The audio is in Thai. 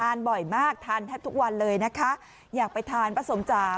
บ่อยมากทานแทบทุกวันเลยนะคะอยากไปทานป้าสมจ๋า